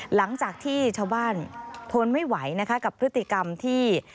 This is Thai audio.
หลังจากที่ชาวบ้านทนไม่ไหวนะคะกับพฤติกรรมที่